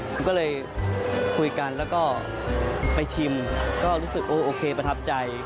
ผมก็เลยคุยกันแล้วก็ไปชิมก็รู้สึกโอเคประทับใจ